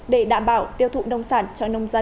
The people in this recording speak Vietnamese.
để đảm bảo tiêu thụ nông sản cho nông dân